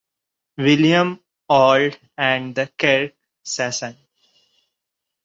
William Auld and the Kirk Session.